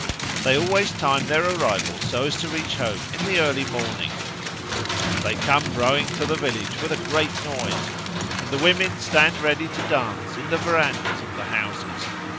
They always time their arrival so as to reach home in the early morning. They come rowing to the village with a great noise, and the women stand ready to dance in the verandahs of the houses.